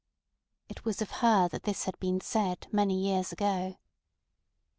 It was of her that this had been said many years ago.